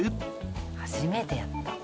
「初めてやった」